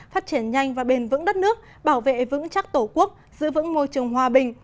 phát triển nhanh và bền vững đất nước bảo vệ vững chắc tổ quốc giữ vững môi trường hòa bình